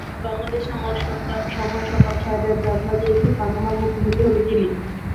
কাল বাংলাদেশ সময় সকাল ছয়টায় প্রাণবাজি রেখে পানামার মুখোমুখি হবে চিলি।